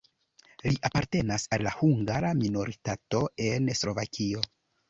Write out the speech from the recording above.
Li apartenas al la hungara minoritato en Slovakio.